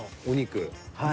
お肉。